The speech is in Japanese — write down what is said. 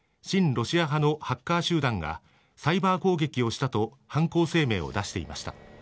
ロシア派のハッカー集団がサイバー攻撃をしたと犯行声明を出していました。